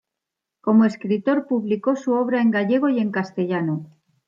Como escritor publicó su obra en gallego y en castellano.